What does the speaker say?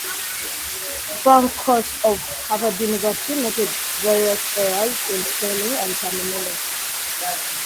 Frank Cross of Harvard University noted various errors in spelling and terminology.